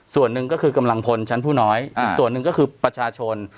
ส่วนหนึ่งก็คือกำลังพลชั้นผู้น้อยอีกส่วนหนึ่งก็คือประชาชน